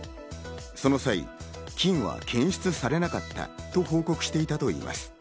その際、菌は検出されなかったと報告していたといいます。